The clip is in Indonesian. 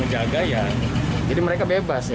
jadi mereka bebas ya